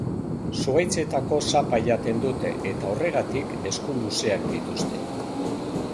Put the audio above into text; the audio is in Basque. Zuhaitzetako sapa jaten dute eta horregatik esku luzeak dituzte.